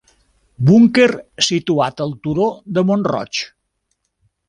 Búnquer situat al turó del Mont-Roig.